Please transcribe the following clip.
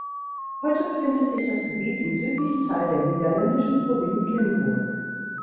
Heute befindet sich das Gebiet im südlichen Teil der niederländischen Provinz Limburg.